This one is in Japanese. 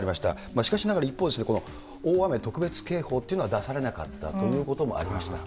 しかしながら一方で、大雨特別警報というのは出されなかったということもありました。